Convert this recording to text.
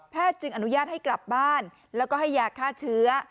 จึงอนุญาตให้กลับบ้านแล้วก็ให้ยาฆ่าเชื้อ